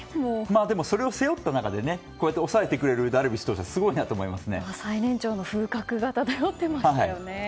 それを背負った中で抑えてくれるダルビッシュ投手は最年長の風格が漂っていましたよね。